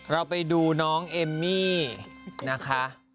เราไปดูน้องเอมมี่นะคะ